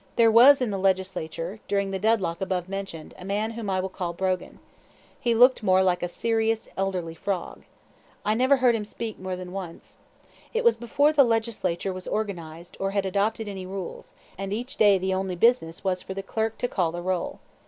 There was in the Legislature, during the deadlock above mentioned, a man whom I will call Brogan. He looked like a serious elderly frog. I never heard him speak more than once. It was before the Legislature was organized, or had adopted any rules; and each day the only business was for the clerk to call the roll.